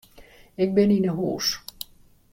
Ik bin yn 'e hûs.